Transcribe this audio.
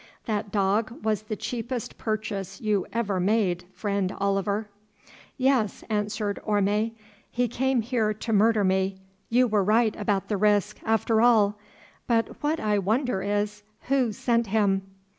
That dog was the cheapest purchase you ever made, friend Oliver." "Yes," answered Orme, "he came here to murder me—you were right about the risk, after all—but what I wonder is, who sent him?"